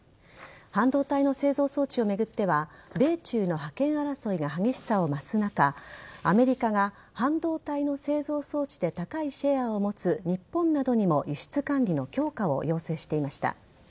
半導体の製造装置を巡っては米中の覇権争いが激しさを増す中アメリカが半導体の製造装置で高いシェアを持つ日本などにも輸出管理の強化を要請していました。